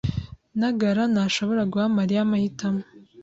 Ntagara ntashobora guha Mariya amahitamo.